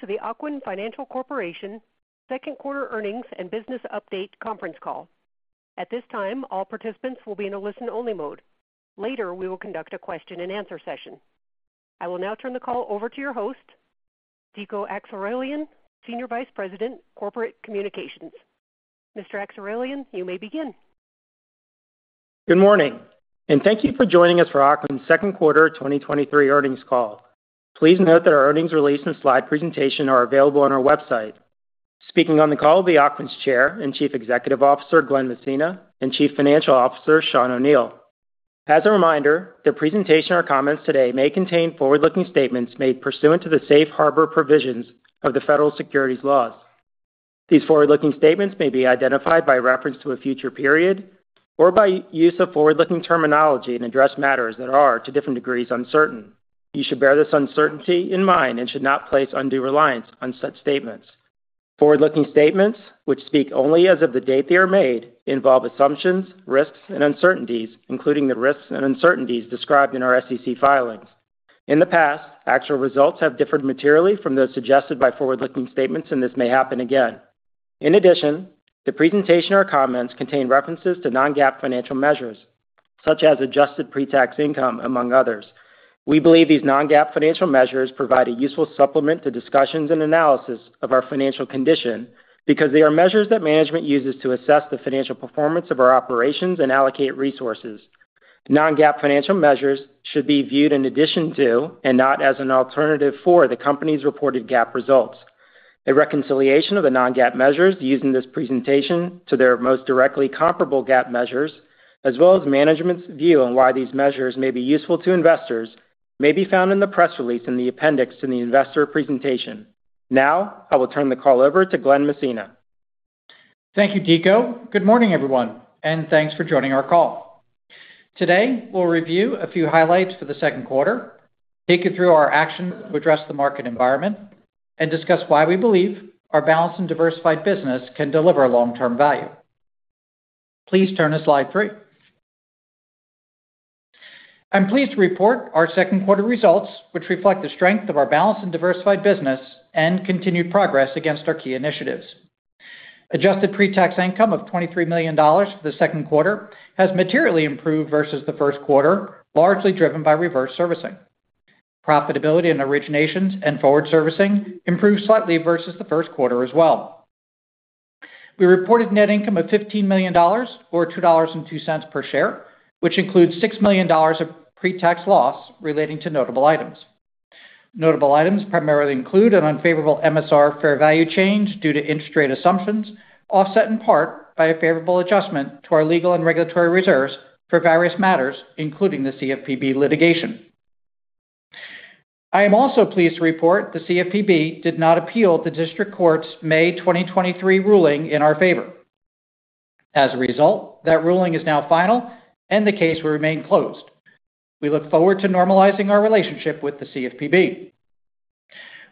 Welcome to the Ocwen Financial Corporation Second Quarter Earnings and Business Update Conference Call. At this time, all participants will be in a listen-only mode. Later, we will conduct a question-and-answer session. I will now turn the call over to your host, Diko Aksirilian, Senior Vice President, Corporate Communications. Mr. Aksirilian, you may begin. Good morning, thank you for joining us for Ocwen's Second Quarter 2023 Earnings Call. Please note that our earnings release and slide presentation are available on our website. Speaking on the call will be Ocwen's Chair and Chief Executive Officer, Glen Messina, and Chief Financial Officer, Sean O'Neil. As a reminder, the presentation or comments today may contain forward-looking statements made pursuant to the safe harbor provisions of the Federal Securities Laws. These forward-looking statements may be identified by reference to a future period or by use of forward-looking terminology and address matters that are, to different degrees, uncertain. You should bear this uncertainty in mind and should not place undue reliance on such statements. Forward-looking statements, which speak only as of the date they are made, involve assumptions, risks, and uncertainties, including the risks and uncertainties described in our SEC filings. In the past, actual results have differed materially from those suggested by forward-looking statements, and this may happen again. In addition, the presentation or comments contain references to Non-GAAP financial measures, such as adjusted pre-tax income, among others. We believe these Non-GAAP financial measures provide a useful supplement to discussions and analysis of our financial condition because they are measures that management uses to assess the financial performance of our operations and allocate resources. Non-GAAP financial measures should be viewed in addition to and not as an alternative for the company's reported GAAP results. A reconciliation of the non-GAAP measures used in this presentation to their most directly comparable GAAP measures, as well as management's view on why these measures may be useful to investors, may be found in the press release in the appendix to the investor presentation. Now, I will turn the call over to Glen Messina. Thank you, Diko. Good morning, everyone, thanks for joining our call. Today, we'll review a few highlights for the second quarter, take you through our action to address the market environment, and discuss why we believe our balanced and diversified business can deliver long-term value. Please turn to slide three. I'm pleased to report our second quarter results, which reflect the strength of our balanced and diversified business and continued progress against our key initiatives. Adjusted pre-tax income of $23 million for the second quarter has materially improved versus the first quarter, largely driven by reverse servicing. Profitability in originations and forward servicing improved slightly versus the first quarter as well. We reported net income of $15 million, or $2.02 per share, which includes $6 million of pre-tax loss relating to notable items. Notable items primarily include an unfavorable MSR fair value change due to interest rate assumptions, offset in part by a favorable adjustment to our legal and regulatory reserves for various matters, including the CFPB litigation. I am also pleased to report the CFPB did not appeal the district court's May 2023 ruling in our favor. As a result, that ruling is now final and the case will remain closed. We look forward to normalizing our relationship with the CFPB.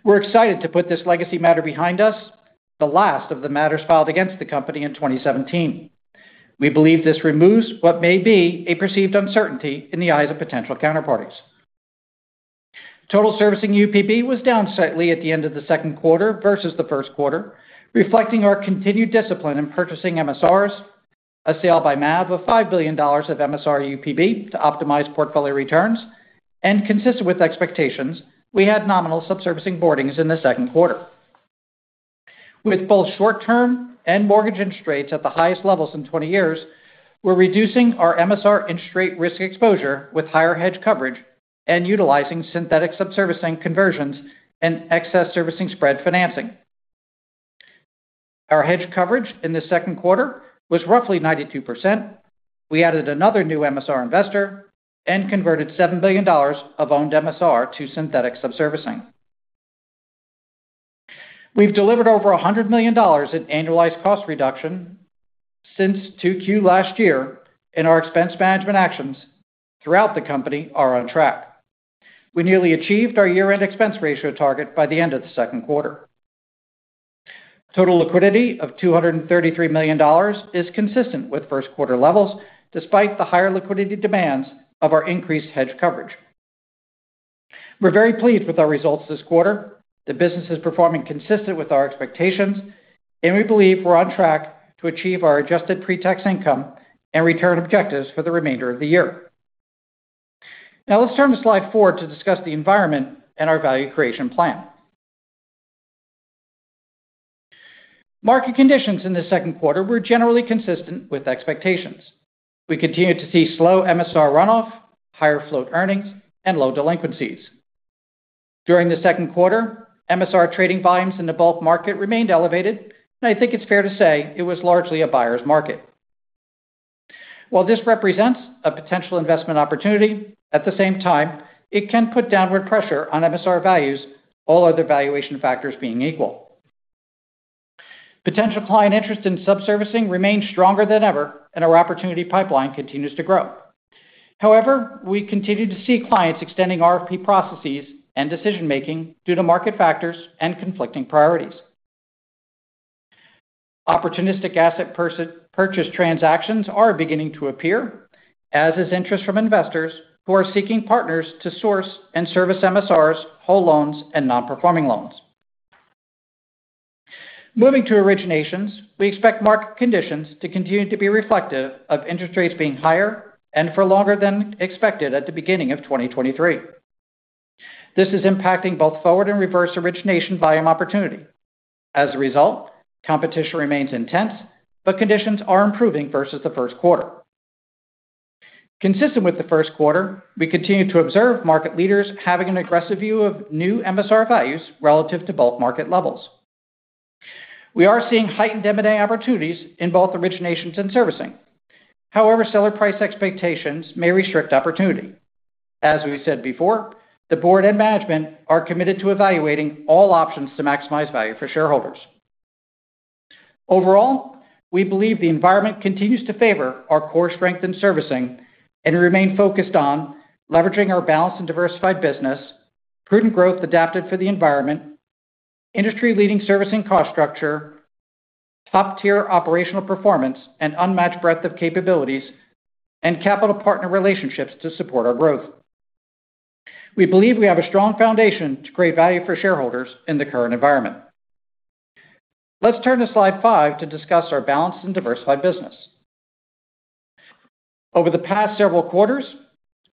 We're excited to put this legacy matter behind us, the last of the matters filed against the company in 2017. We believe this removes what may be a perceived uncertainty in the eyes of potential counterparties. Total servicing UPB was down slightly at the end of the second quarter versus the first quarter, reflecting our continued discipline in purchasing MSRs, a sale by MAV of $5 billion of MSR UPB to optimize portfolio returns, and consistent with expectations, we had nominal subservicing boardings in the second quarter. With both short-term and mortgage interest rates at the highest levels in 20 years, we're reducing our MSR interest rate risk exposure with higher hedge coverage and utilizing synthetic subservicing conversions and excess servicing spread financing. Our hedge coverage in the second quarter was roughly 92%. We added another new MSR investor and converted $7 billion of owned MSR to synthetic subservicing. We've delivered over $100 million in annualized cost reduction since 2Q last year, and our expense management actions throughout the company are on track. We nearly achieved our year-end expense ratio target by the end of the second quarter. Total liquidity of $233 million is consistent with first quarter levels, despite the higher liquidity demands of our increased hedge coverage. We're very pleased with our results this quarter. The business is performing consistent with our expectations, and we believe we're on track to achieve our adjusted pre-tax income and return objectives for the remainder of the year. Let's turn to slide four to discuss the environment and our value creation plan. Market conditions in the second quarter were generally consistent with expectations. We continued to see slow MSR runoff, higher float earnings, and low delinquencies. During the second quarter, MSR trading volumes in the bulk market remained elevated, and I think it's fair to say it was largely a buyer's market. While this represents a potential investment opportunity, at the same time, it can put downward pressure on MSR values, all other valuation factors being equal. Potential client interest in subservicing remains stronger than ever, and our opportunity pipeline continues to grow. However, we continue to see clients extending RFP processes and decision-making due to market factors and conflicting priorities. Opportunistic asset purchase transactions are beginning to appear, as is interest from investors who are seeking partners to source and service MSRs, whole loans, and non-performing loans. Moving to originations, we expect market conditions to continue to be reflective of interest rates being higher and for longer than expected at the beginning of 2023. This is impacting both forward and reverse origination volume opportunity. As a result, competition remains intense, but conditions are improving versus the first quarter. Consistent with the first quarter, we continue to observe market leaders having an aggressive view of new MSR values relative to bulk market levels. We are seeing heightened M&A opportunities in both originations and servicing. However, seller price expectations may restrict opportunity. As we've said before, the board and management are committed to evaluating all options to maximize value for shareholders. Overall, we believe the environment continues to favor our core strength in servicing, and remain focused on leveraging our balanced and diversified business, prudent growth adapted for the environment, industry-leading servicing cost structure, top-tier operational performance, and unmatched breadth of capabilities and capital partner relationships to support our growth. We believe we have a strong foundation to create value for shareholders in the current environment. Let's turn to slide five to discuss our balanced and diversified business. Over the past several quarters,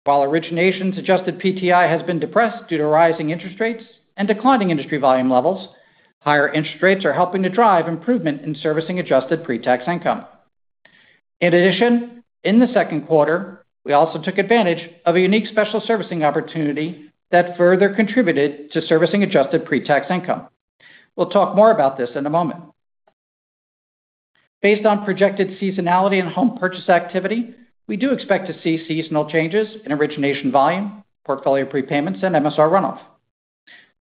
while originations Adjusted PTI has been depressed due to rising interest rates and declining industry volume levels, higher interest rates are helping to drive improvement in servicing adjusted pre-tax income. In addition, in the second quarter, we also took advantage of a unique special servicing opportunity that further contributed to servicing adjusted pre-tax income. We'll talk more about this in a moment. Based on projected seasonality and home purchase activity, we do expect to see seasonal changes in origination volume, portfolio prepayments, and MSR runoff.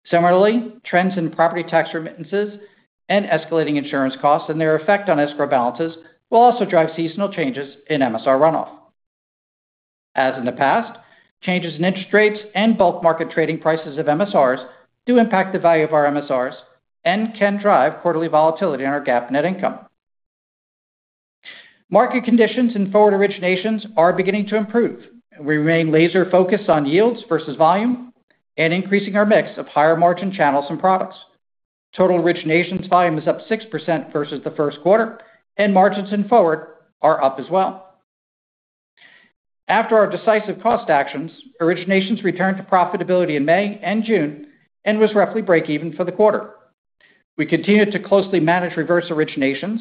Similarly, trends in property tax remittances and escalating insurance costs and their effect on escrow balances will also drive seasonal changes in MSR runoff. As in the past, changes in interest rates and bulk market trading prices of MSRs do impact the value of our MSRs and can drive quarterly volatility on our GAAP net income. Market conditions in forward originations are beginning to improve. We remain laser-focused on yields versus volume and increasing our mix of higher-margin channels and products. Total originations volume is up 6% versus the first quarter, and margins in forward are up as well. After our decisive cost actions, originations returned to profitability in May and June and was roughly break even for the quarter. We continued to closely manage reverse originations,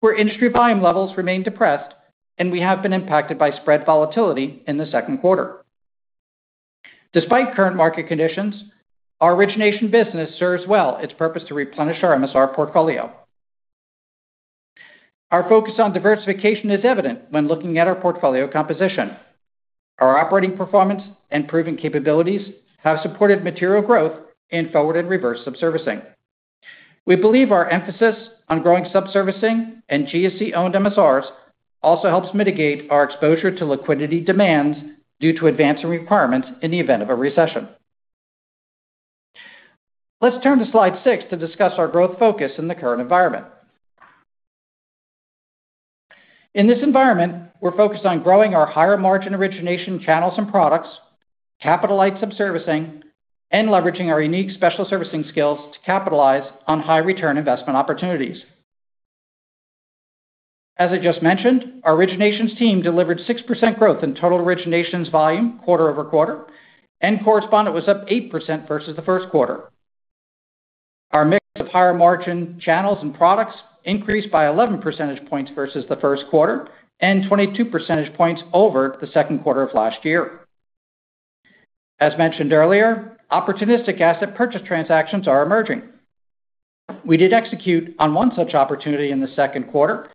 where industry volume levels remain depressed, and we have been impacted by spread volatility in the second quarter. Despite current market conditions, our origination business serves well its purpose to replenish our MSR portfolio. Our focus on diversification is evident when looking at our portfolio composition. Our operating performance and proven capabilities have supported material growth in forward and reverse subservicing. We believe our emphasis on growing subservicing and GSE-owned MSRs also helps mitigate our exposure to liquidity demands due to advancing requirements in the event of a recession. Let's turn to slide six to discuss our growth focus in the current environment. In this environment, we're focused on growing our higher-margin origination channels and products, capital-light subservicing, and leveraging our unique special servicing skills to capitalize on high-return investment opportunities. As I just mentioned, our originations team delivered 6% growth in total originations volume quarter-over-quarter, and correspondent was up 8% versus the first quarter. Our mix of higher-margin channels and products increased by 11 percentage points versus the first quarter, and 22 percentage points over the second quarter of last year. As mentioned earlier, opportunistic asset purchase transactions are emerging. We did execute on one such opportunity in the second quarter,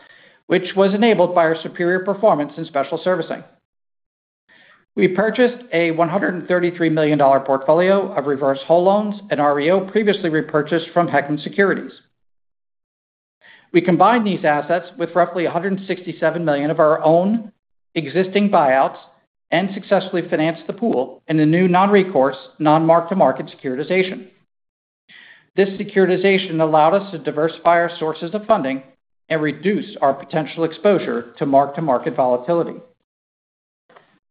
which was enabled by our superior performance in special servicing. We purchased a $133 million portfolio of reverse whole loans and REO previously repurchased from HECM Securities. We combined these assets with roughly $167 million of our own existing buyouts and successfully financed the pool in a new non-recourse, non-mark-to-market securitization. This securitization allowed us to diversify our sources of funding and reduce our potential exposure to mark-to-market volatility.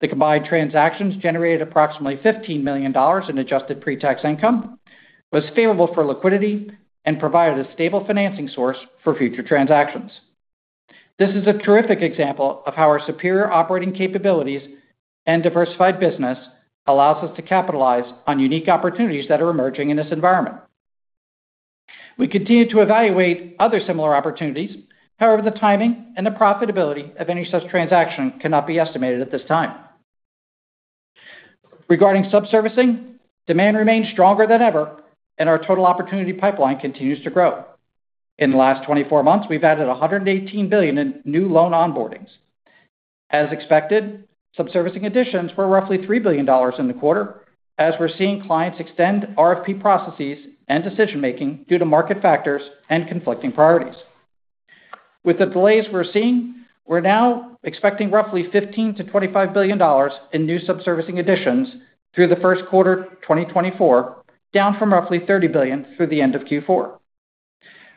The combined transactions generated approximately $15 million in adjusted pre-tax income, was favorable for liquidity, and provided a stable financing source for future transactions. This is a terrific example of how our superior operating capabilities and diversified business allows us to capitalize on unique opportunities that are emerging in this environment. We continue to evaluate other similar opportunities. However, the timing and the profitability of any such transaction cannot be estimated at this time. Regarding subservicing, demand remains stronger than ever, and our total opportunity pipeline continues to grow. In the last 24 months, we've added $118 billion in new loan onboardings. As expected, subservicing additions were roughly $3 billion in the quarter, as we're seeing clients extend RFP processes and decision-making due to market factors and conflicting priorities. With the delays we're seeing, we're now expecting roughly $15 billion-$25 billion in new subservicing additions through the first quarter, 2024, down from roughly $30 billion through the end of Q4.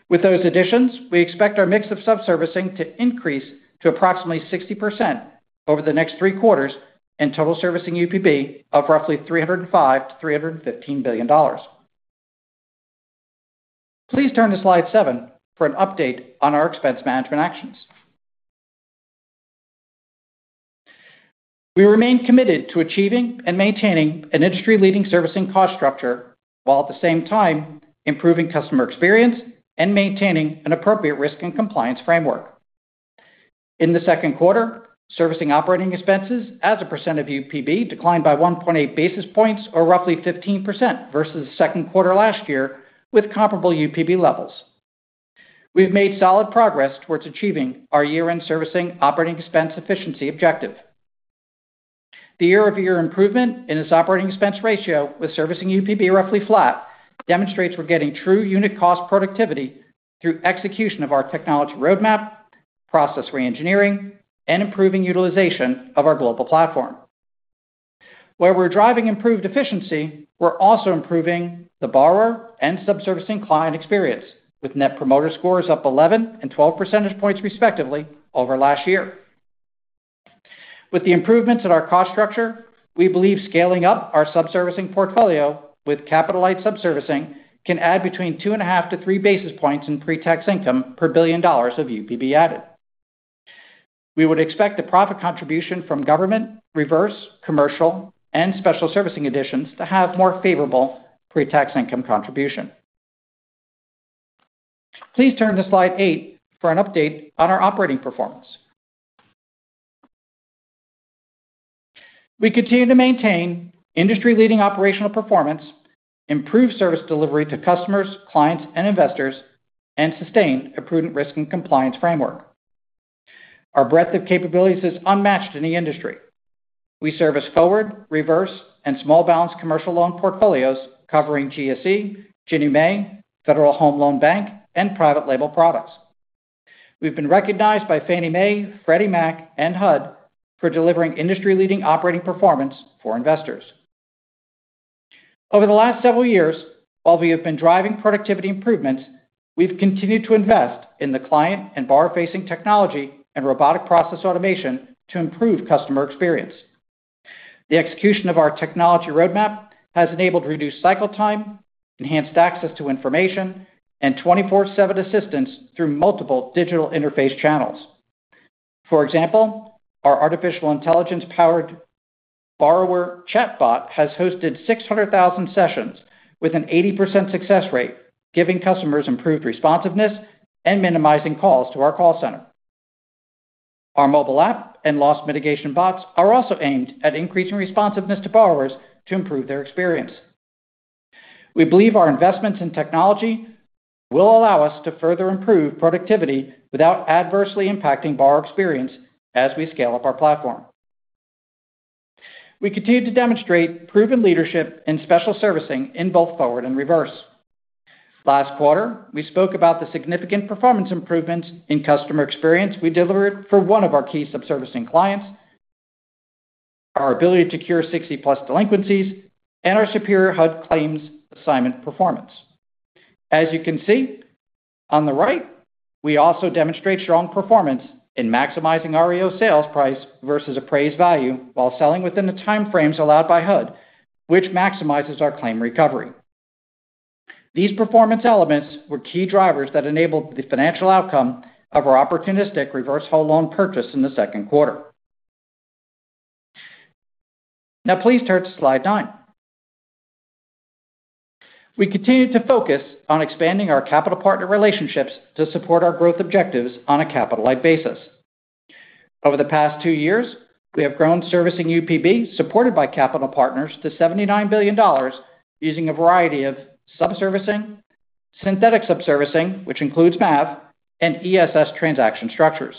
With those additions, we expect our mix of subservicing to increase to approximately 60% over the next three quarters, and total servicing UPB of roughly $305 billion-$315 billion. Please turn to slide seven for an update on our expense management actions. We remain committed to achieving and maintaining an industry-leading servicing cost structure, while at the same time, improving customer experience and maintaining an appropriate risk and compliance framework. In the second quarter, servicing operating expenses as a percent of UPB declined by 1.8 basis points, or roughly 15% versus second quarter last year, with comparable UPB levels. We've made solid progress towards achieving our year-end servicing operating expense efficiency objective. The year-over-year improvement in this operating expense ratio with servicing UPB roughly flat, demonstrates we're getting true unit cost productivity through execution of our technology roadmap, process reengineering, and improving utilization of our global platform. Where we're driving improved efficiency, we're also improving the borrower and subservicing client experience, with Net Promoter Scores up 11 and 12 percentage points, respectively, over last year. With the improvements in our cost structure, we believe scaling up our subservicing portfolio with capital light subservicing can add between 2.5 to 3 basis points in pre-tax income per $1 billion of UPB added. We would expect the profit contribution from government, reverse, commercial, and special servicing additions to have more favorable pre-tax income contribution. Please turn to slide eight for an update on our operating performance. We continue to maintain industry-leading operational performance, improve service delivery to customers, clients, and investors, and sustain a prudent risk and compliance framework. Our breadth of capabilities is unmatched in the industry. We service forward, reverse, and small balance commercial loan portfolios covering GSE, Ginnie Mae, Federal Home Loan Bank, and private label products. We've been recognized by Fannie Mae, Freddie Mac, and HUD for delivering industry-leading operating performance for investors. Over the last several years, while we have been driving productivity improvements, we've continued to invest in the client and borrower-facing technology and robotic process automation to improve customer experience. The execution of our technology roadmap has enabled reduced cycle time, enhanced access to information, and 24/7 assistance through multiple digital interface channels. For example, our artificial intelligence-powered borrower chatbot has hosted 600,000 sessions with an 80% success rate, giving customers improved responsiveness and minimizing calls to our call center. Our mobile app and loss mitigation bots are also aimed at increasing responsiveness to borrowers to improve their experience. We believe our investments in technology will allow us to further improve productivity without adversely impacting borrower experience as we scale up our platform. We continue to demonstrate proven leadership in special servicing in both forward and reverse. Last quarter, we spoke about the significant performance improvements in customer experience we delivered for one of our key subservicing clients, our ability to cure 60+ delinquencies, and our superior HUD claims assignment performance. As you can see on the right, we also demonstrate strong performance in maximizing REO sales price versus appraised value, while selling within the time frames allowed by HUD, which maximizes our claim recovery. These performance elements were key drivers that enabled the financial outcome of our opportunistic reverse whole loan purchase in the second quarter. Please turn to slide nine. We continue to focus on expanding our capital partner relationships to support our growth objectives on a capital-like basis. Over the past two years, we have grown servicing UPB, supported by capital partners, to $79 billion, using a variety of subservicing, synthetic subservicing, which includes MAV, and ESS transaction structures.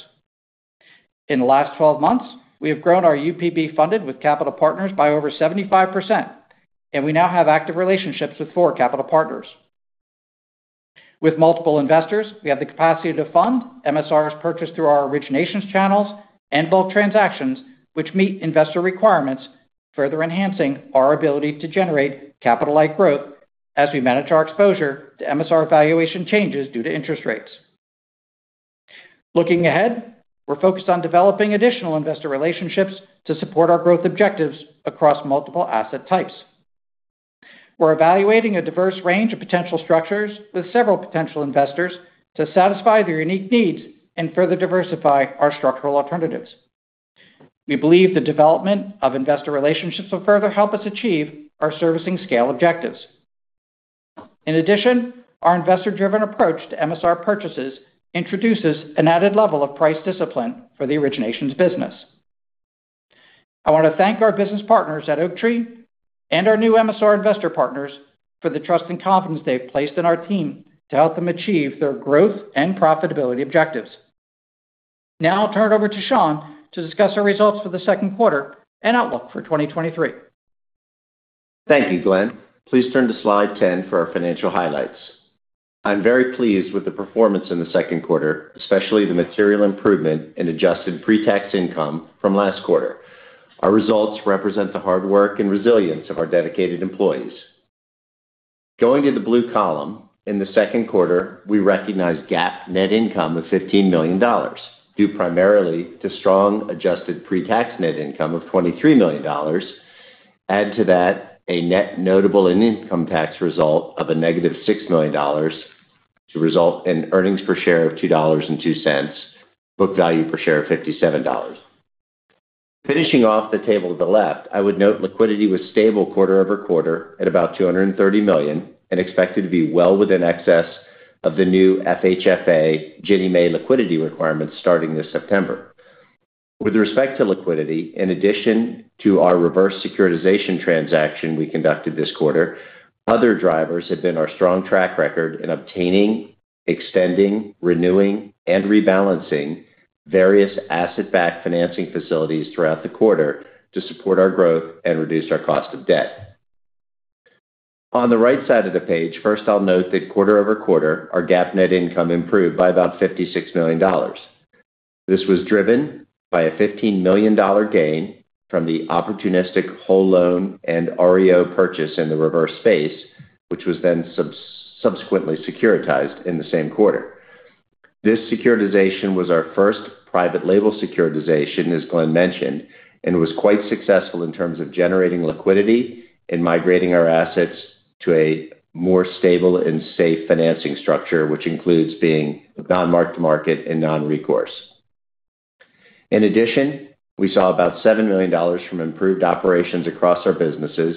In the last 12 months, we have grown our UPB funded with capital partners by over 75%, and we now have active relationships with four capital partners. With multiple investors, we have the capacity to fund MSRs purchased through our originations channels and bulk transactions which meet investor requirements, further enhancing our ability to generate capital-like growth as we manage our exposure to MSR valuation changes due to interest rates. Looking ahead, we're focused on developing additional investor relationships to support our growth objectives across multiple asset types. We're evaluating a diverse range of potential structures with several potential investors to satisfy their unique needs and further diversify our structural alternatives. We believe the development of investor relationships will further help us achieve our servicing scale objectives. In addition, our investor-driven approach to MSR purchases introduces an added level of price discipline for the originations business. I want to thank our business partners at Oaktree and our new MSR investor partners for the trust and confidence they've placed in our team to help them achieve their growth and profitability objectives. Now I'll turn it over to Sean to discuss our results for the second quarter and outlook for 2023. Thank you, Glen. Please turn to slide 10 for our financial highlights. I'm very pleased with the performance in the second quarter, especially the material improvement in adjusted pre-tax income from last quarter. Our results represent the hard work and resilience of our dedicated employees. Going to the blue column, in the second quarter, we recognized GAAP net income of $15 million, due primarily to strong adjusted pre-tax net income of $23 million. Add to that a net notable income tax result of a negative $6 million to result in earnings per share of $2.02. Book value per share of $57. Finishing off the table at the left, I would note liquidity was stable quarter-over-quarter at about $230 million, and expected to be well within excess of the new FHFA Ginnie Mae liquidity requirements starting this September. With respect to liquidity, in addition to our reverse securitization transaction we conducted this quarter, other drivers have been our strong track record in obtaining, extending, renewing, and rebalancing various asset-backed financing facilities throughout the quarter to support our growth and reduce our cost of debt. On the right side of the page, first, I'll note that quarter-over-quarter, our GAAP net income improved by about $56 million. This was driven by a $15 million gain from the opportunistic whole loan and REO purchase in the reverse space, which was then subsequently securitized in the same quarter. This securitization was our first private-label securitization, as Glen mentioned, was quite successful in terms of generating liquidity and migrating our assets to a more stable and safe financing structure, which includes being non-mark-to-market and non-recourse. In addition, we saw about $7 million from improved operations across our businesses,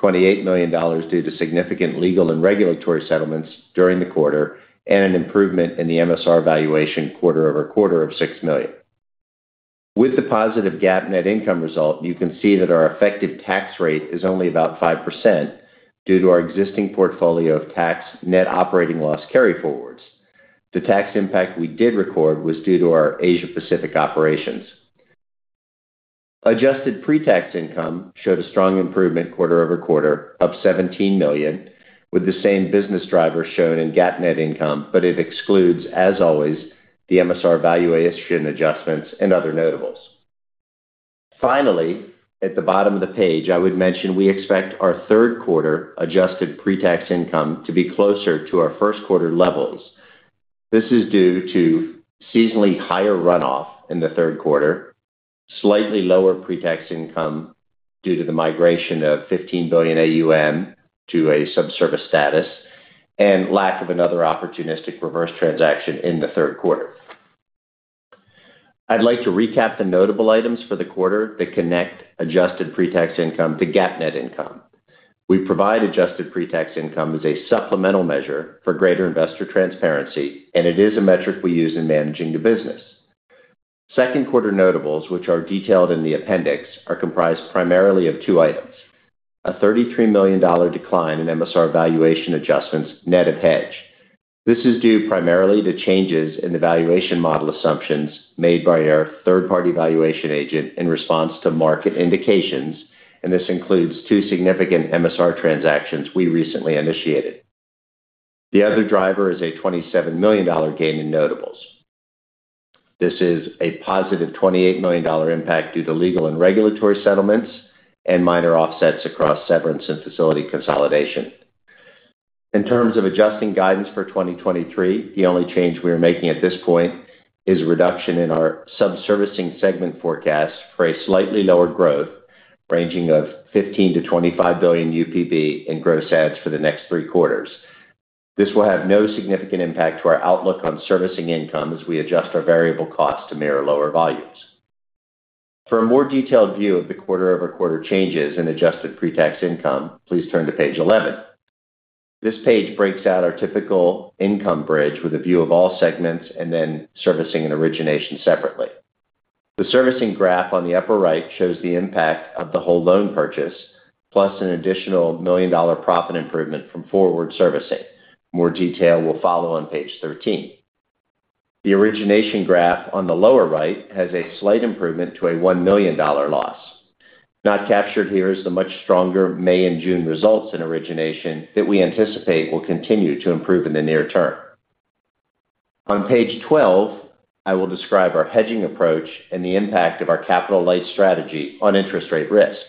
$28 million due to significant legal and regulatory settlements during the quarter, and an improvement in the MSR valuation quarter-over-quarter of $6 million. With the positive GAAP net income result, you can see that our effective tax rate is only about 5% due to our existing portfolio of tax net operating loss carryforwards. The tax impact we did record was due to our Asia-Pacific operations. Adjusted pre-tax income showed a strong improvement quarter-over-quarter of $17 million, with the same business drivers shown in GAAP net income. It excludes, as always, the MSR valuation adjustments and other notables. Finally, at the bottom of the page, I would mention we expect our third quarter adjusted pre-tax income to be closer to our first quarter levels. This is due to seasonally higher runoff in the third quarter, slightly lower pre-tax income due to the migration of $15 billion AUM to a subservice status, and lack of another opportunistic reverse transaction in the third quarter. I'd like to recap the notable items for the quarter that connect adjusted pre-tax income to GAAP net income. We provide adjusted pre-tax income as a supplemental measure for greater investor transparency. It is a metric we use in managing the business. Second quarter notables, which are detailed in the appendix, are comprised primarily of two items: a $33 million decline in MSR valuation adjustments net of hedge. This is due primarily to changes in the valuation model assumptions made by our third-party valuation agent in response to market indications, and this includes two significant MSR transactions we recently initiated. The other driver is a $27 million gain in notables. This is a positive $28 million impact due to legal and regulatory settlements and minor offsets across severance and facility consolidation. In terms of adjusting guidance for 2023, the only change we are making at this point is a reduction in our subservicing segment forecast for a slightly lower growth, ranging of $15 billion-$25 billion UPB in gross adds for the next three quarters. This will have no significant impact to our outlook on servicing income as we adjust our variable costs to mirror lower volumes. For a more detailed view of the quarter-over-quarter changes in adjusted pre-tax income, please turn to page 11. This page breaks out our typical income bridge with a view of all segments and then servicing and origination separately. The servicing graph on the upper right shows the impact of the whole loan purchase, plus an additional $1 million profit improvement from forward servicing. More detail will follow on page 13. The origination graph on the lower right has a slight improvement to a $1 million loss. Not captured here is the much stronger May and June results in origination that we anticipate will continue to improve in the near term. On page 12, I will describe our hedging approach and the impact of our capital-light strategy on interest rate risk.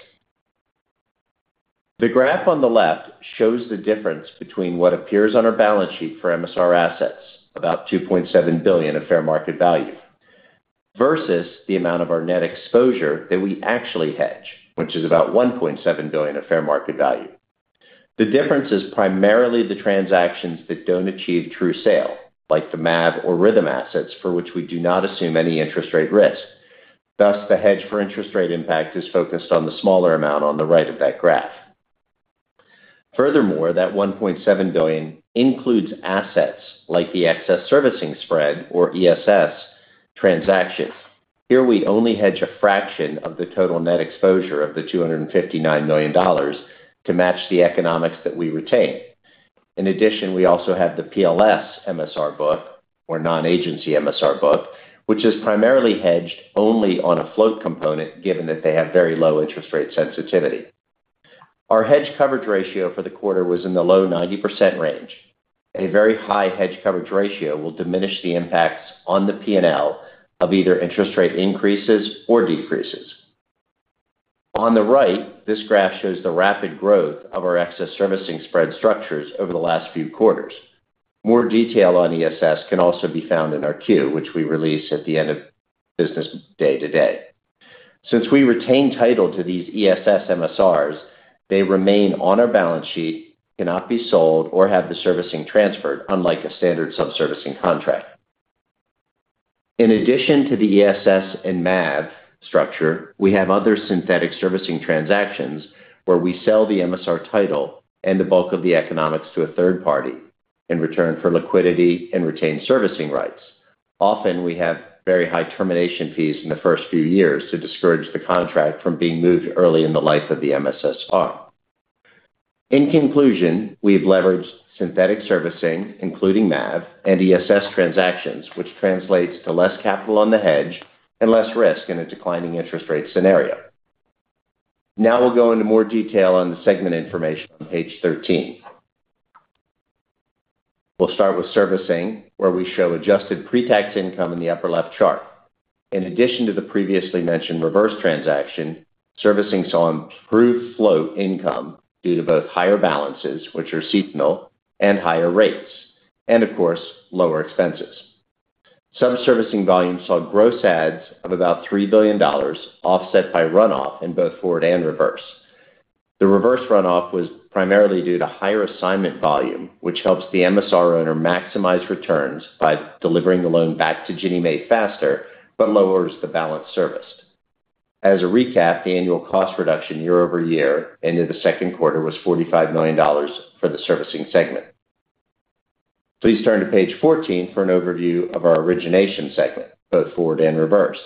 The graph on the left shows the difference between what appears on our balance sheet for MSR assets, about $2.7 billion of fair market value, versus the amount of our net exposure that we actually hedge, which is about $1.7 billion of fair market value. The difference is primarily the transactions that don't achieve true sale, like the MAV or Rithm assets for which we do not assume any interest rate risk. Thus, the hedge for interest rate impact is focused on the smaller amount on the right of that graph. That $1.7 billion includes assets like the excess servicing spread or ESS transactions. Here we only hedge a fraction of the total net exposure of $259 million to match the economics that we retain. We also have the PLS MSR book, or non-agency MSR book, which is primarily hedged only on a float component, given that they have very low interest rate sensitivity. Our hedge coverage ratio for the quarter was in the low 90% range. A very high hedge coverage ratio will diminish the impacts on the PNL of either interest rate increases or decreases. On the right, this graph shows the rapid growth of our excess servicing spread structures over the last few quarters. More detail on ESS can also be found in our Q, which we release at the end of business day today. Since we retain title to these ESS MSRs, they remain on our balance sheet, cannot be sold or have the servicing transferred, unlike a standard subservicing contract. In addition to the ESS and MAV structure, we have other synthetic servicing transactions where we sell the MSR title and the bulk of the economics to a third party in return for liquidity and retained servicing rights. Often, we have very high termination fees in the first few years to discourage the contract from being moved early in the life of the MSR. In conclusion, we've leveraged synthetic servicing, including MAV and ESS transactions, which translates to less capital on the hedge and less risk in a declining interest rate scenario. We'll go into more detail on the segment information on page 13. We'll start with servicing, where we show adjusted pre-tax income in the upper left chart. In addition to the previously mentioned reverse transaction, servicing saw improved flow income due to both higher balances, which are seasonal, and higher rates, and of course, lower expenses. Sub-servicing volumes saw gross adds of about $3 billion, offset by runoff in both forward and reverse. The reverse runoff was primarily due to higher assignment volume, which helps the MSR owner maximize returns by delivering the loan back to Ginnie Mae faster, but lowers the balance serviced. As a recap, the annual cost reduction year-over-year into the second quarter was $45 million for the servicing segment. Please turn to page 14 for an overview of our origination segment, both forward and reverse.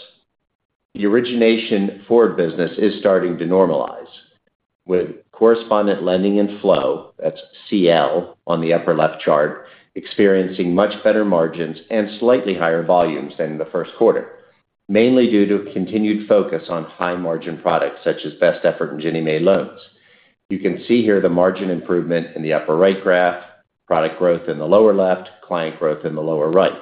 The origination forward business is starting to normalize, with correspondent lending and flow, that's CL, on the upper left chart, experiencing much better margins and slightly higher volumes than in the first quarter, mainly due to a continued focus on high-margin products such as Best Effort and Ginnie Mae loans. You can see here the margin improvement in the upper right graph, product growth in the lower left, client growth in the lower right.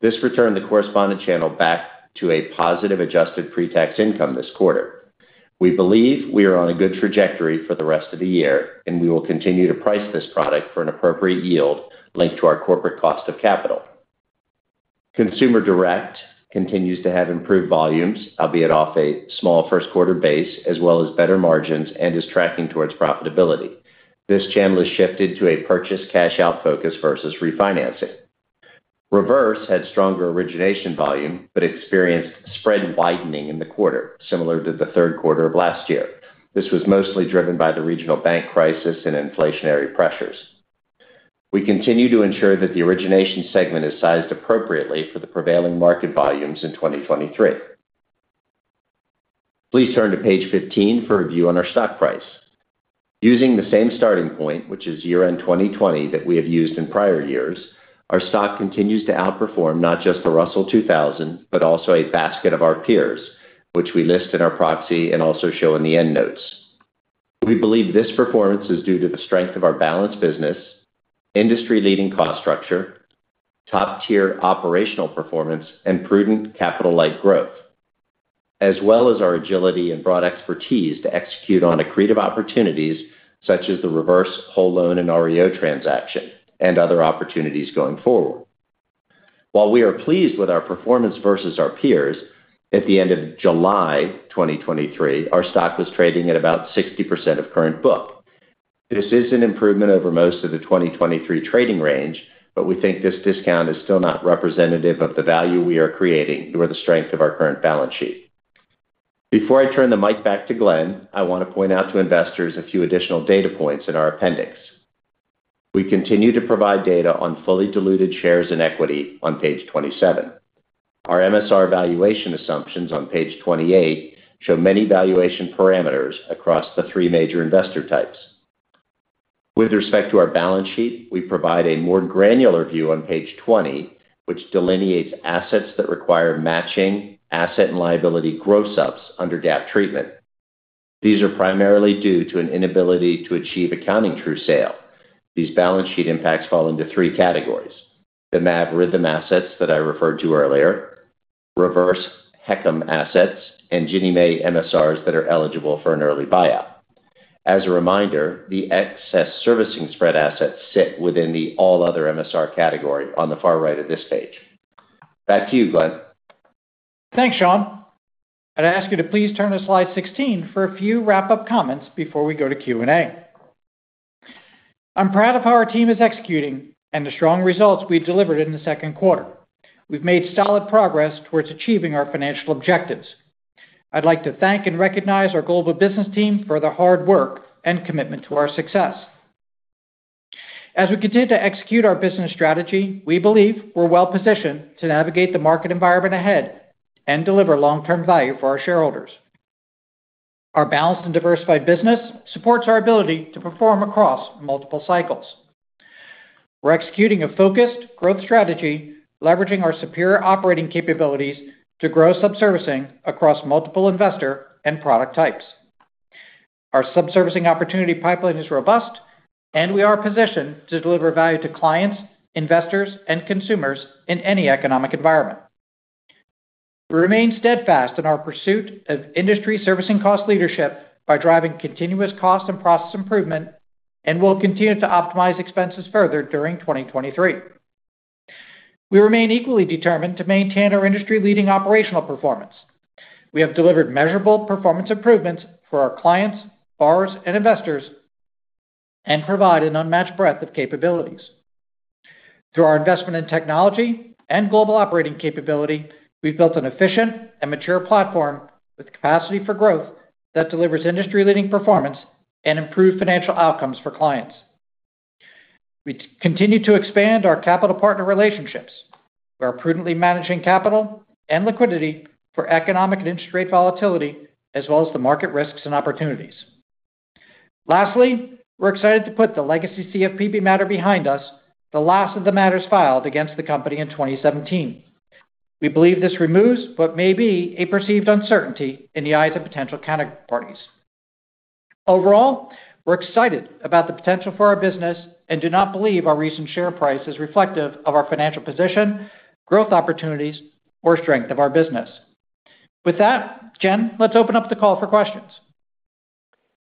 This returned the correspondent channel back to a positive, adjusted pre-tax income this quarter. We believe we are on a good trajectory for the rest of the year, we will continue to price this product for an appropriate yield linked to our corporate cost of capital. Consumer Direct continues to have improved volumes, albeit off a small first quarter base, as well as better margins and is tracking towards profitability. This channel has shifted to a purchase cash out focus versus refinancing. Reverse had stronger origination volume, but experienced spread widening in the quarter, similar to the third quarter of last year. This was mostly driven by the regional bank crisis and inflationary pressures. We continue to ensure that the origination segment is sized appropriately for the prevailing market volumes in 2023. Please turn to page 15 for a view on our stock price. Using the same starting point, which is year-end 2020, that we have used in prior years, our stock continues to outperform not just the Russell 2000, but also a basket of our peers, which we list in our proxy and also show in the end notes. We believe this performance is due to the strength of our balanced business, industry-leading cost structure, top-tier operational performance, and prudent capital-light growth, as well as our agility and broad expertise to execute on accretive opportunities such as the reverse whole loan and REO transaction and other opportunities going forward. While we are pleased with our performance versus our peers, at the end of July 2023, our stock was trading at about 60% of current book. This is an improvement over most of the 2023 trading range, but we think this discount is still not representative of the value we are creating or the strength of our current balance sheet. Before I turn the mic back to Glen, I want to point out to investors a few additional data points in our appendix. We continue to provide data on fully diluted shares in equity on page 27. Our MSR valuation assumptions on page 28 show many valuation parameters across the three major investor types. With respect to our balance sheet, we provide a more granular view on page 20, which delineates assets that require matching asset and liability gross ups under DTA treatment. These are primarily due to an inability to achieve accounting true sale. These balance sheet impacts fall into three categories: the MAV Rithm assets that I referred to earlier, reverse HECM assets, and Ginnie Mae MSRs that are eligible for an early buyout. As a reminder, the excess servicing spread assets sit within the all other MSR category on the far right of this page. Back to you, Glen. Thanks, Sean. I'd ask you to please turn to slide 16 for a few wrap-up comments before we go to Q&A. I'm proud of how our team is executing and the strong results we've delivered in the second quarter. We've made solid progress towards achieving our financial objectives. I'd like to thank and recognize our global business team for their hard work and commitment to our success. As we continue to execute our business strategy, we believe we're well positioned to navigate the market environment ahead and deliver long-term value for our shareholders....Our balanced and diversified business supports our ability to perform across multiple cycles. We're executing a focused growth strategy, leveraging our superior operating capabilities to grow subservicing across multiple investor and product types. Our subservicing opportunity pipeline is robust, and we are positioned to deliver value to clients, investors, and consumers in any economic environment. We remain steadfast in our pursuit of industry servicing cost leadership by driving continuous cost and process improvement. We'll continue to optimize expenses further during 2023. We remain equally determined to maintain our industry-leading operational performance. We have delivered measurable performance improvements for our clients, borrowers, and investors, and provide an unmatched breadth of capabilities. Through our investment in technology and global operating capability, we've built an efficient and mature platform with capacity for growth that delivers industry-leading performance and improved financial outcomes for clients. We continue to expand our capital partner relationships. We are prudently managing capital and liquidity for economic and interest rate volatility, as well as the market risks and opportunities. Lastly, we're excited to put the legacy CFPB matter behind us, the last of the matters filed against the company in 2017. We believe this removes what may be a perceived uncertainty in the eyes of potential counterparties. Overall, we're excited about the potential for our business and do not believe our recent share price is reflective of our financial position, growth opportunities, or strength of our business. With that, Jen, let's open up the call for questions.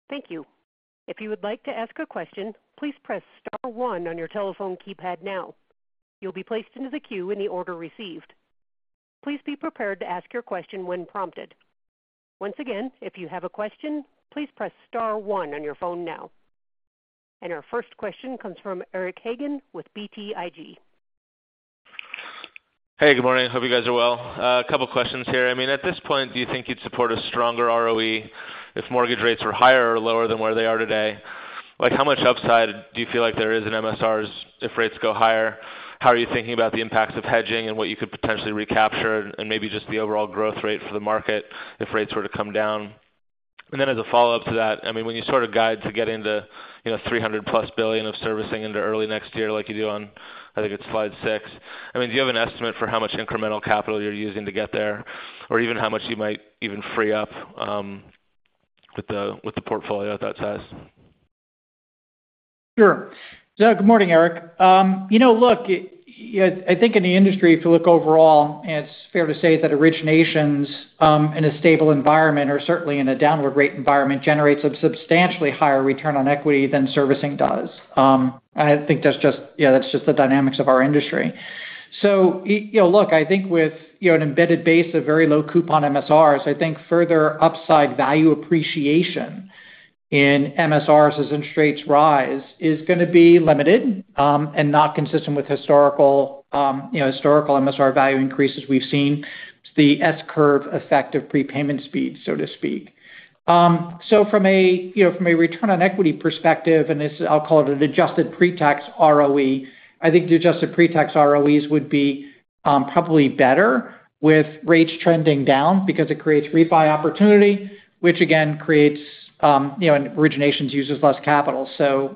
Thank you. If you would like to ask a question, please press star one on your telephone keypad now. You'll be placed into the queue in the order received. Please be prepared to ask your question when prompted. Once again, if you have a question, please press star one on your phone now. Our first question comes from Eric Hagen with BTIG. Hey, good morning. Hope you guys are well. A couple questions here. I mean, at this point, do you think you'd support a stronger ROE if mortgage rates were higher or lower than where they are today? Like, how much upside do you feel like there is in MSRs if rates go higher? How are you thinking about the impacts of hedging and what you could potentially recapture and maybe just the overall growth rate for the market if rates were to come down? Then as a follow-up to that, I mean, when you sort of guide to getting to, you know, $300+ billion of servicing into early next year like you do on, I think it's slide six, I mean, do you have an estimate for how much incremental capital you're using to get there? Even how much you might even free up with the, with the portfolio at that size? Sure. Good morning, Eric. You know, look, I think in the industry, if you look overall, it's fair to say that originations, in a stable environment or certainly in a downward rate environment, generates a substantially higher return on equity than servicing does. I think that's just, yeah, that's just the dynamics of our industry. You know, look, I think with, you know, an embedded base of very low coupon MSRs, I think further upside value appreciation in MSRs as interest rates rise is gonna be limited, not consistent with historical, you know, historical MSR value increases we've seen. It's the S-curve effect of prepayment speed, so to speak. From a, you know, from a return on equity perspective, and this, I'll call it an adjusted pre-tax ROE, I think the adjusted pre-tax ROEs would be probably better with rates trending down because it creates refi opportunity, which again creates, you know, and originations uses less capital.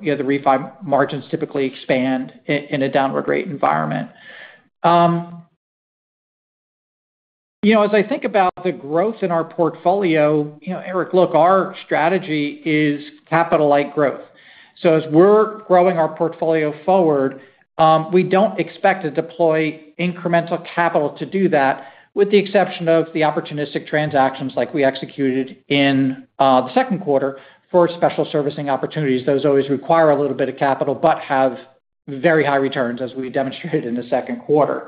You know, the refi margins typically expand in a downward rate environment. You know, as I think about the growth in our portfolio, you know, Eric, look, our strategy is capital-light growth. As we're growing our portfolio forward, we don't expect to deploy incremental capital to do that, with the exception of the opportunistic transactions like we executed in the second quarter for special servicing opportunities. Those always require a little bit of capital, but have very high returns, as we demonstrated in the second quarter.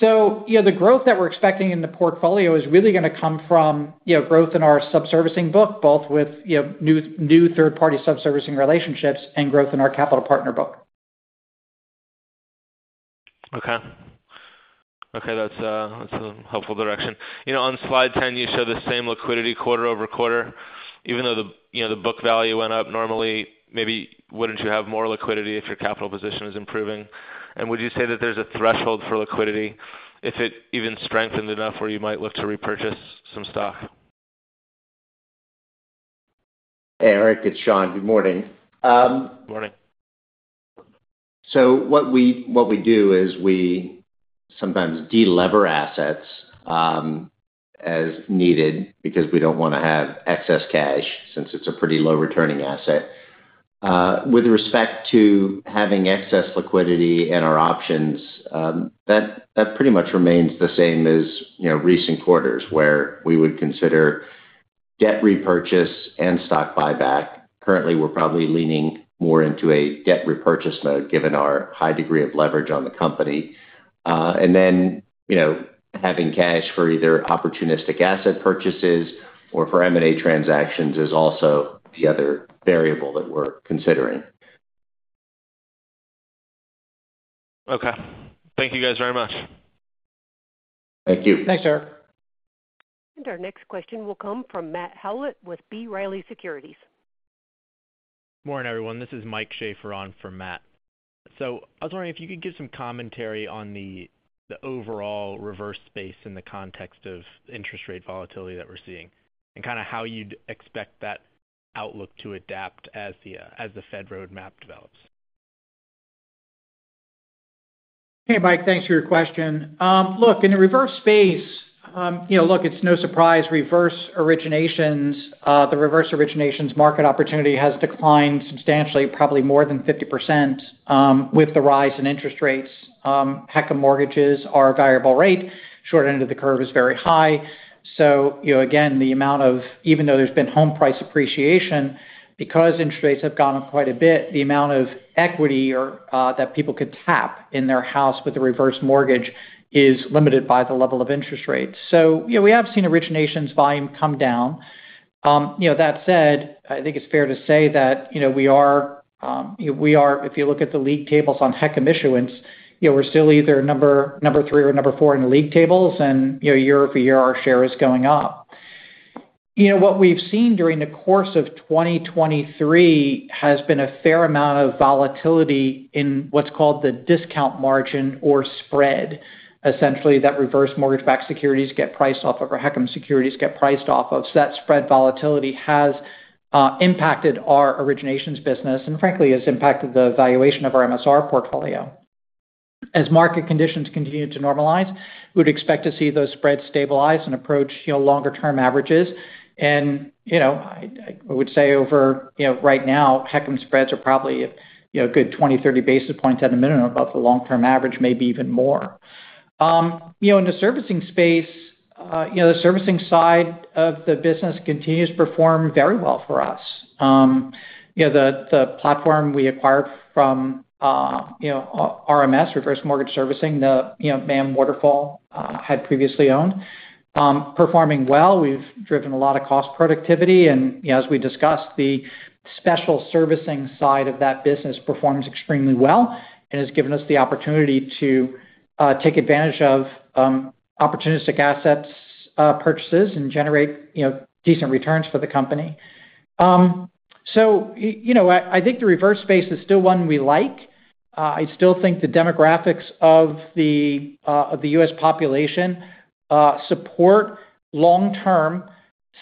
The growth that we're expecting in the portfolio is really gonna come from, you know, growth in our subservicing book, both with, you know, new, new third-party subservicing relationships and growth in our capital partner book. Okay. Okay, that's a, that's a helpful direction. You know, on slide 10, you show the same liquidity quarter-over-quarter, even though, you know, the book value went up normally, maybe wouldn't you have more liquidity if your capital position is improving? Would you say that there's a threshold for liquidity if it even strengthened enough where you might look to repurchase some stock? Hey, Eric, it's Sean. Good morning. Good morning. What we, what we do is we sometimes de-lever assets, as needed because we don't want to have excess cash, since it's a pretty low returning asset. With respect to having excess liquidity and our options, that, that pretty much remains the same as, you know, recent quarters where we would consider debt repurchase and stock buyback. Currently, we're probably leaning more into a debt repurchase mode given our high degree of leverage on the company. Then, you know, having cash for either opportunistic asset purchases or for M&A transactions is also the other variable that we're considering. Okay. Thank you guys very much. Thank you. Thanks, Eric. Our next question will come from Matt Howlett with B. Riley Securities. Morning, everyone. This is Mike Schafer on for Matt. I was wondering if you could give some commentary on the overall reverse space in the context of interest rate volatility that we're seeing, and kind of how you'd expect that outlook to adapt as the Fed roadmap develops. Hey, Mike, thanks for your question. Look, in the reverse space, you know, look, it's no surprise reverse originations, the reverse originations market opportunity has declined substantially, probably more than 50%, with the rise in interest rates. Heck, mortgages are a variable rate. Short end of the curve is very high. You know, again, the amount of-- even though there's been home price appreciation, because interest rates have gone up quite a bit, the amount of equity or, that people could tap in their house with a reverse mortgage is limited by the level of interest rates. You know, we have seen originations volume come down. You know, that said, I think it's fair to say that, you know, we are, we are, if you look at the league tables on HECM issuance, you know, we're still either number, number three or number four in the league tables. You know, year-over-year, our share is going up. You know, what we've seen during the course of 2023 has been a fair amount of volatility in what's called the discount margin or spread. Essentially, that reverse mortgage-backed securities get priced off of, or HECM securities get priced off of. That spread volatility has impacted our originations business and frankly, has impacted the valuation of our MSR portfolio. Market conditions continue to normalize, we'd expect to see those spreads stabilize and approach, you know, longer-term averages. You know, I, I would say over, you know, right now, HECM spreads are probably a, you know, good 20, 30 basis points at a minimum above the long-term average, maybe even more. You know, in the servicing space, you know, the servicing side of the business continues to perform very well for us. You know, the, the platform we acquired from, you know, RMS, Reverse Mortgage Servicing, the, you know, MAM, Waterfall, had previously owned, performing well. We've driven a lot of cost productivity and, you know, as we discussed, the special servicing side of that business performs extremely well and has given us the opportunity to take advantage of opportunistic assets, purchases and generate, you know, decent returns for the company. You know, I, I think the reverse space is still one we like. I still think the demographics of the U.S. population, support long-term,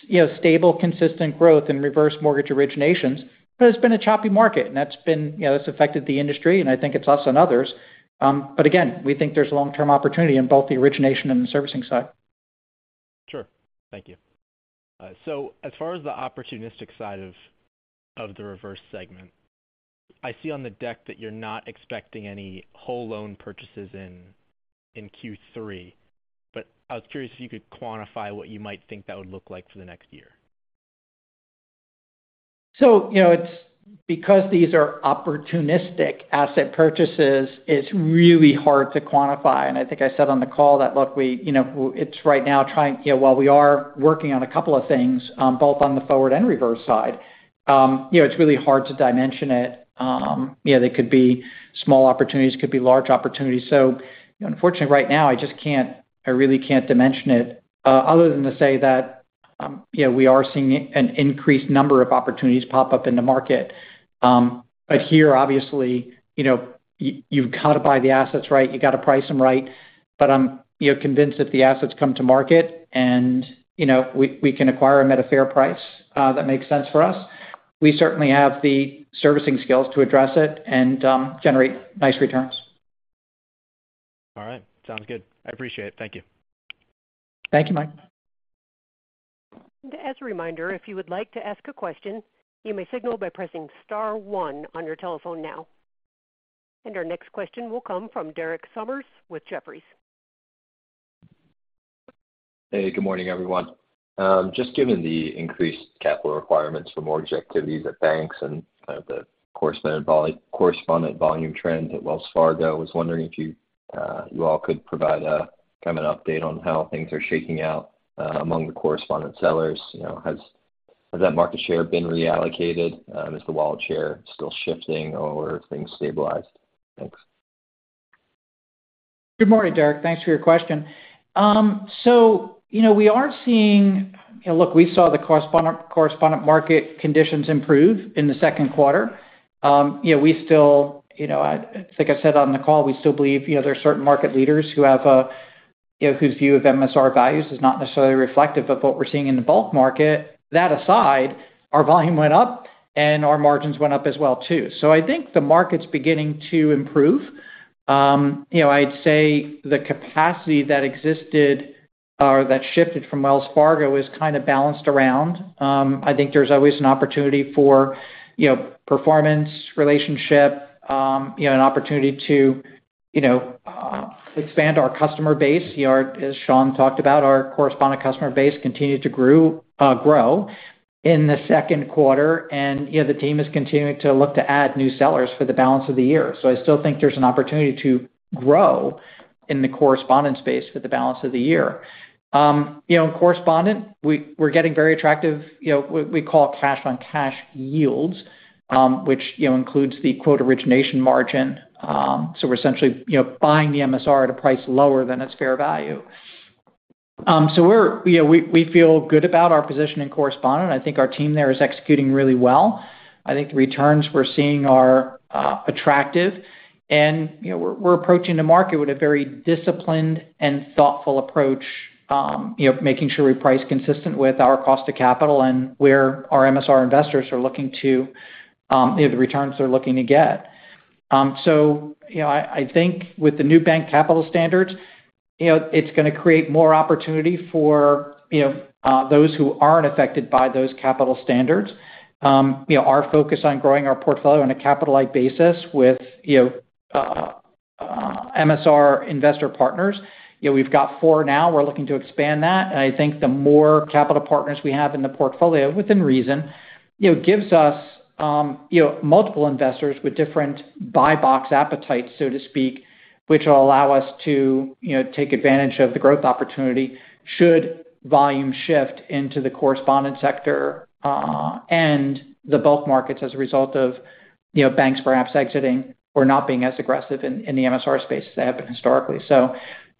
you know, stable, consistent growth in reverse mortgage originations. It's been a choppy market, and that's been, you know, that's affected the industry, and I think it's us and others. Again, we think there's long-term opportunity in both the origination and the servicing side. Sure. Thank you. As far as the opportunistic side of, of the reverse segment, I see on the deck that you're not expecting any whole loan purchases in, in Q3, but I was curious if you could quantify what you might think that would look like for the next year. You know, it's because these are opportunistic asset purchases, it's really hard to quantify. I think I said on the call that, look, we, you know, it's right now trying... You know, while we are working on a couple of things, both on the forward and reverse side, you know, it's really hard to dimension it. You know, they could be small opportunities, could be large opportunities. Unfortunately, right now, I just can't, I really can't dimension it, other than to say that, you know, we are seeing an increased number of opportunities pop up in the market. Here, obviously, you know, you've got to buy the assets right, you got to price them right. I'm, you know, convinced if the assets come to market and, you know, we, we can acquire them at a fair price, that makes sense for us. We certainly have the servicing skills to address it and generate nice returns. All right. Sounds good. I appreciate it. Thank you. Thank you, Mike. As a reminder, if you would like to ask a question, you may signal by pressing star one on your telephone now. Our next question will come from Derek Sommers with Jefferies. Hey, good morning, everyone. Just given the increased capital requirements for mortgage activities at banks and the correspondent volume trends at Wells Fargo, I was wondering if you, you all could provide a, kind of an update on how things are shaking out, among the correspondent sellers. You know, has that market share been reallocated? Is the wallet share still shifting or things stabilized? Thanks. Good morning, Derek Sommers. Thanks for your question. You know, we are seeing... Look, we saw the correspondent, correspondent market conditions improve in the second quarter. You know, we still, you know, like I said, on the call, we still believe, you know, there are certain market leaders who have a, you know, whose view of MSR values is not necessarily reflective of what we're seeing in the bulk market. That aside, our volume went up, and our margins went up as well, too. I think the market's beginning to improve. You know, I'd say the capacity that existed or that shifted from Wells Fargo is kind of balanced around. I think there's always an opportunity for, you know, performance, relationship, you know, an opportunity to, you know, expand our customer base. You know, as Sean talked about, our correspondent customer base continued to grew, grow in the second quarter, and, you know, the team is continuing to look to add new sellers for the balance of the year. I still think there's an opportunity to grow in the correspondent space for the balance of the year. You know, in correspondent, we're getting very attractive, you know, we, we call it cash on cash yields, which, you know, includes the quote, origination margin. We're essentially, you know, buying the MSR at a price lower than its fair value. We're, you know, we, we feel good about our position in correspondent. I think our team there is executing really well. I think the returns we're seeing are attractive. You know, we're, we're approaching the market with a very disciplined and thoughtful approach, you know, making sure we price consistent with our cost of capital and where our MSR investors are looking to, you know, the returns they're looking to get. You know, I, I think with the new bank capital standards, you know, it's gonna create more opportunity for, you know, those who aren't affected by those capital standards. You know, our focus on growing our portfolio on a capital-like basis with, you know, MSR investor partners, you know, we've got four now, we're looking to expand that. I think the more capital partners we have in the portfolio, within reason, you know, gives us, you know, multiple investors with different buy box appetites, so to speak, which will allow us to, you know, take advantage of the growth opportunity should volume shift into the correspondent sector, and the bulk markets as a result of, you know, banks perhaps exiting or not being as aggressive in, in the MSR space as they have been historically. I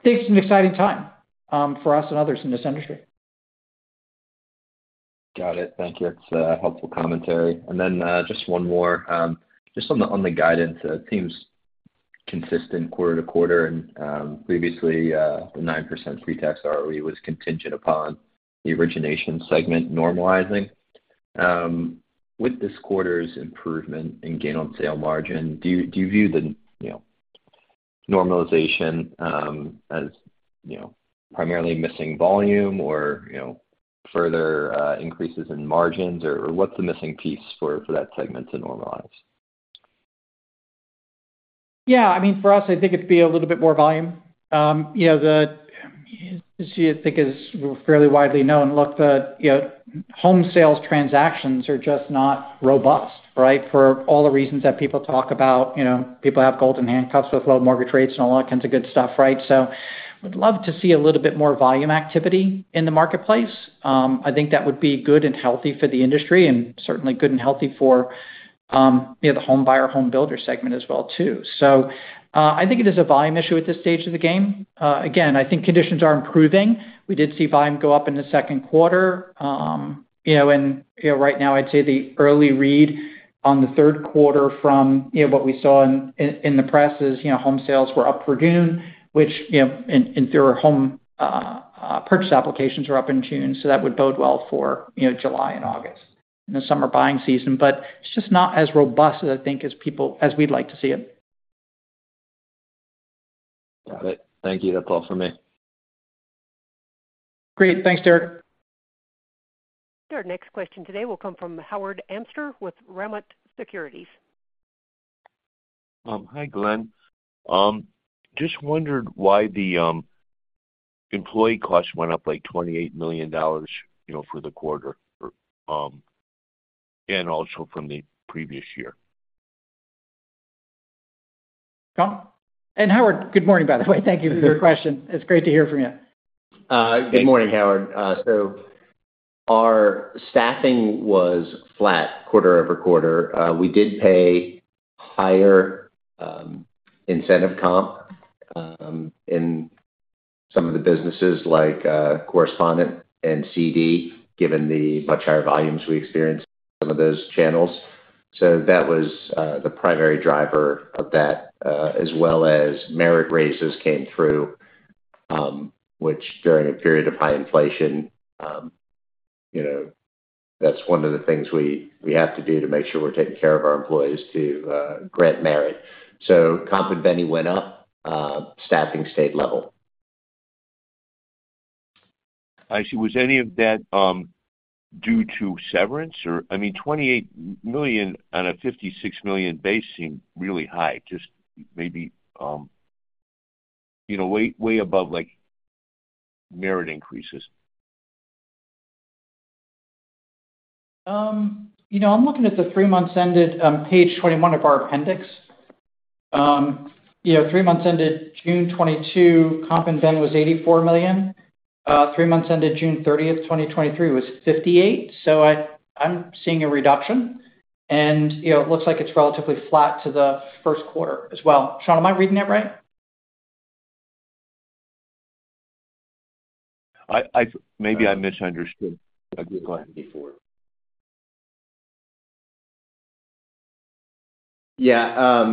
think it's an exciting time, for us and others in this industry. Got it. Thank you. It's a helpful commentary. Just one more. Just on the, on the guidance, it seems consistent quarter-to-quarter, and previously, the 9% pre-tax ROE was contingent upon the origination segment normalizing. With this quarter's improvement in gain on sale margin, do you, do you view the, you know, normalization as, you know, primarily missing volume or, you know, further increases in margins, or, or what's the missing piece for, for that segment to normalize? Yeah, I mean, for us, I think it'd be a little bit more volume. You know, the, I think is fairly widely known. Look, the, you know, home sales transactions are just not robust, right? For all the reasons that people talk about, you know, people have golden handcuffs with low mortgage rates and all kinds of good stuff, right? I would love to see a little bit more volume activity in the marketplace. I think that would be good and healthy for the industry and certainly good and healthy for, you know, the home buyer, home builder segment as well, too. I think it is a volume issue at this stage of the game. Again, I think conditions are improving. We did see volume go up in the second quarter. You know, and, you know, right now, I'd say the early read on the third quarter from, you know, what we saw in, in, in the press is, you know, home sales were up for June, which, you know, and, and their home purchase applications were up in June, so that would bode well for, you know, July and August, in the summer buying season. It's just not as robust as I think, as we'd like to see it. Got it. Thank you. That's all for me. Great. Thanks, Derek. Our next question today will come from Howard Amster with Ramat Securities. Hi, Glen. Just wondered why the employee costs went up by $28 million, you know, for the quarter, and also from the previous year. Oh, Howard, good morning, by the way. Thank you for your question. It's great to hear from you. Good morning, Howard. Our staffing was flat quarter-over-quarter. We did pay higher incentive comp in some of the businesses like correspondent and CD, given the much higher volumes we experienced in some of those channels. That was the primary driver of that, as well as merit raises came through, which during a period of high inflation, you know, that's one of the things we have to do to make sure we're taking care of our employees to grant merit. Comp and bene went up, staffing stayed level. I see. Was any of that due to severance or? I mean, $28 million on a $56 million base seem really high, just maybe, you know, way, way above, like, merit increases. You know, I'm looking at the three months ended, page 21 of our appendix. You know, three months ended June 2022, comp and bene was $84 million. Three months ended June 30th, 2023 was $58 million. I'm seeing a reduction, and, you know, it looks like it's relatively flat to the first quarter as well. Sean, am I reading that right? I, maybe I misunderstood, Glen, before. Yeah,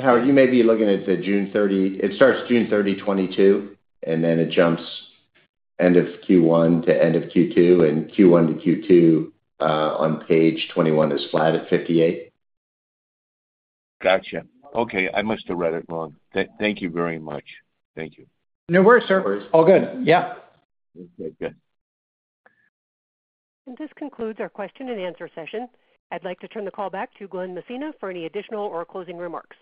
Howard, you may be looking at the June 30. It starts June 30, 2022, and then it jumps end of Q1 to end of Q2, and Q1-Q2, on page 21, is flat at $58 million. Gotcha. Okay, I must have read it wrong. Thank, thank you very much. Thank you. No worries, sir. No worries. All good. Yep. Good, good. This concludes our question and answer session. I'd like to turn the call back to Glen Messina for any additional or closing remarks.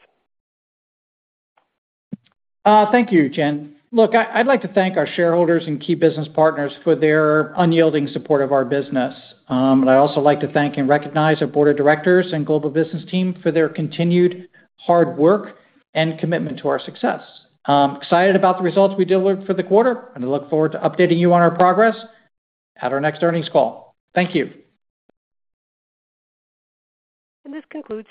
Thank you, Jen. Look, I'd like to thank our shareholders and key business partners for their unyielding support of our business. I'd also like to thank and recognize our board of directors and global business team for their continued hard work and commitment to our success. Excited about the results we delivered for the quarter, and I look forward to updating you on our progress at our next earnings call. Thank you. And this concludes-